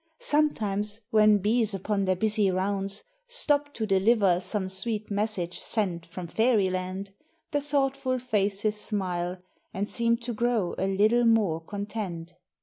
Sometimes, when bees upon their busy rounds Stop to deliver some sweet message sent From Fairyland, the thoughtful faces smile And seem to grow a little more content.